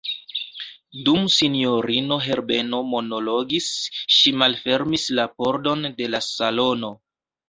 Dum sinjorino Herbeno monologis, ŝi malfermis la pordon de la salono.